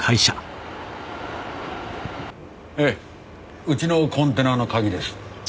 ええうちのコンテナの鍵です。